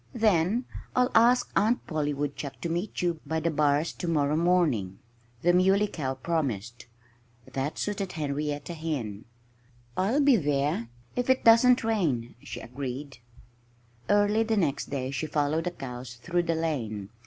"Then I'll ask Aunt Polly Woodchuck to meet you by the bars to morrow morning," the Muley Cow promised. That suited Henrietta Hen. "I'll be there if it doesn't rain," she agreed. Early the next day she followed the cows through the lane.